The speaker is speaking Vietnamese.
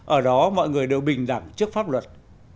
ở đó mọi người đều bình đẳng trước pháp luật